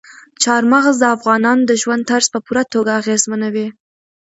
چار مغز د افغانانو د ژوند طرز په پوره توګه اغېزمنوي.